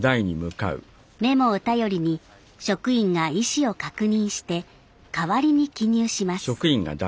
メモを頼りに職員が意思を確認して代わりに記入します。